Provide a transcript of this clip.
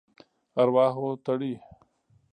ارواحو تړي.